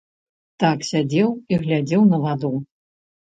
Так сядзеў і глядзеў на ваду.